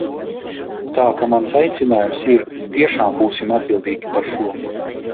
Tā ka mans aicinājums ir: tiešām būsim atbildīgi par šo!